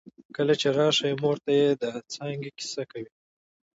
کله چې راشې مور ته يې د څانګې کیسه کوي